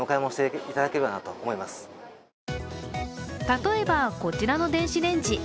例えばこちらの電子レンジ。